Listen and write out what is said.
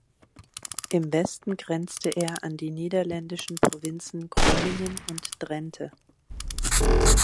Im Westen grenzte er an die niederländischen Provinzen Groningen und Drente.